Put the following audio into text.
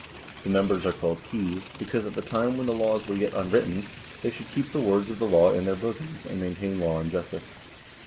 The members are called "Keys," because, at the time when the laws were yet unwritten, they should keep the words of the law in their bosoms, and maintain law and justice.